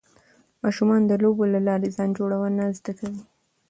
ماشومان د لوبو له لارې ځان جوړونه زده کوي.